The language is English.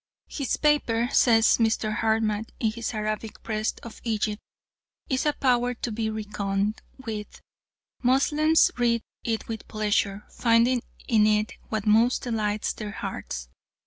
"His paper," says Mr. Hartmann in his "Arabic Press of Egypt," "is a power to be reckoned with. Moslems read it with pleasure, finding in it what most delights their hearts.